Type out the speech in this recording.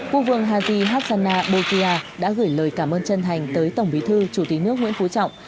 quốc vương hazi hassanan bolkiah đã gửi lời cảm ơn chân thành tới tổng bí thư chủ tịch nước nguyễn phú trọng